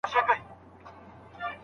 مشاورین به د سولي خبري وکړي.